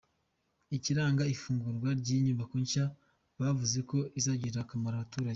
Ikiranga ifungurwa ry’iyi nyubako nshya bavuze ko izagirira akamaro abaturage.